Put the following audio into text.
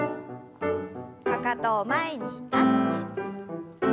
かかとを前にタッチ。